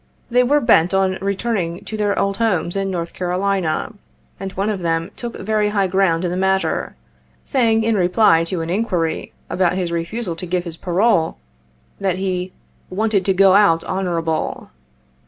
They were bent on returning to their old homes in North Ca rolina ; and one of them took very high ground in the matter, saying, in reply to an inquiry about his refusal to give his parole, that he "wanted to go out honorable."